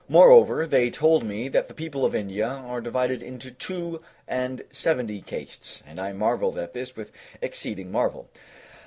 Moreover, they told me that the people of India are divided into two and seventy castes, and I marveled at this with exceeding marvel.